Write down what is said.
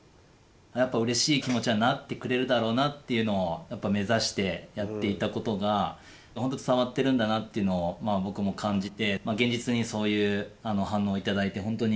うれしい気持ちにはなってくれるだろうなっていうのを目指してやっていたことが本当伝わってるんだなっていうのを僕も感じて現実にそういう反応を頂いて本当にうれしかったですね。